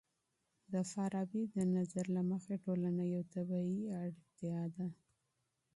د فارابي د نظر له مخې ټولنه يو طبيعي ضرورت دی.